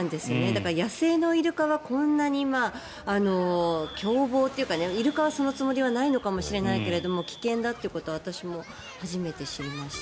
だから野生のイルカがこんなに凶暴というかイルカは、そのつもりはないのかもしれないけれど危険だということは私も初めて知りました。